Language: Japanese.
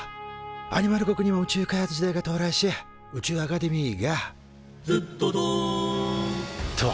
アニマル国にも宇宙開発時代が到来し宇宙アカデミーが「ずっどどん！」と誕生。